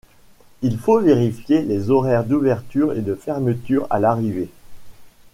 Il faut vérifier les horaires d'ouverture et de fermeture à l'arrivée.